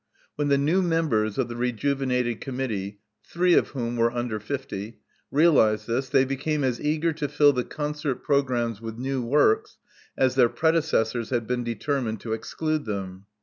When the new members of the rejuvenated committee — three of whom were under fifty— realized this, they became as eager to fill the concert pro grammes with new works as their predecessors had been determined to exclude them.